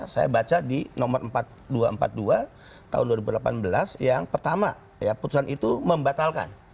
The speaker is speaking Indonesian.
saya baca di nomor empat ribu dua ratus empat puluh dua tahun dua ribu delapan belas yang pertama putusan itu membatalkan